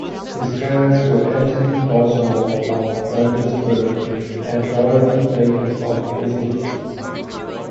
His parents were Anthony Gosnold of Grundisburgh and Dorothy Bacon of Hessett.